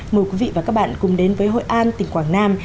mời quý vị và các bạn cùng đến với hội an tỉnh quảng nam